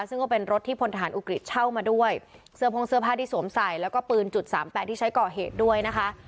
ซึ่งก็เป็นรถที่พลทหารอุกฤษเช่ามาด้วยเสื้อพงเสื้อผ้าที่สวมใส่แล้วก็ปืนจุดสามแปดที่ใช้ก่อเหตุด้วยนะคะ